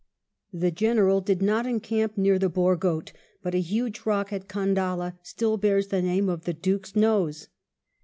The General did not encamp near the Bhore Ghaut; but a huge rock at Khandalla still bears the name of the "Duke's Nose."